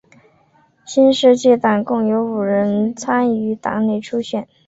新世界党共有五人参与党内初选。